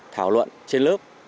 thảo luận trên lớp